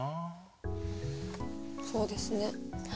そうですね。